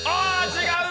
違う。